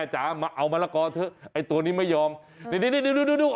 เอามะละกอเถอะไอ้ตัวนี้ไม่ยอมดูที่นี้ดู